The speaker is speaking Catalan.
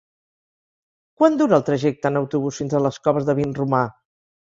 Quant dura el trajecte en autobús fins a les Coves de Vinromà?